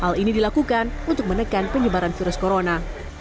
hal ini dilakukan untuk menekan penyebaran virus corona